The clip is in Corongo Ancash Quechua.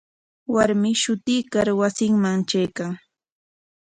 Warmi shutuykar wasinman traykan.